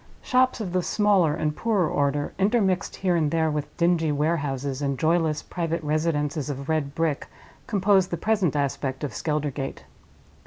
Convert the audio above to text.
Shops of the smaller and poorer order, intermixed here and there with dingy warehouses and joyless private residences of red brick, compose the present aspect of Skeldergate.